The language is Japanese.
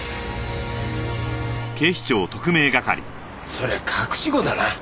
そりゃ隠し子だな。